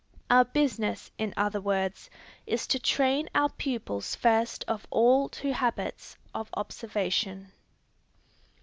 Our business, in other words, is to train our pupils first of all to habits of observation.